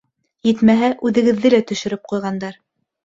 Етмәһә, үҙегеҙҙе лә төшөрөп ҡуйғандар.